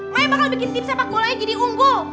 mai yang bakal bikin tim sepak bolanya jadi unggul